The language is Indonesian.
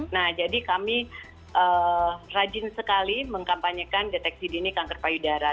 nah jadi kami rajin sekali mengkampanyekan deteksi dini kanker payudara